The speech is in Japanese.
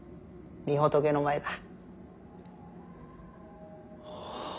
御仏の前だ。